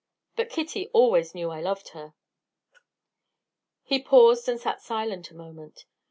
But Kitty always knew I loved her." He paused and sat silent a moment.